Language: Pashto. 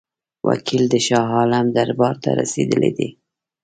وکیل د شاه عالم دربار ته رسېدلی دی.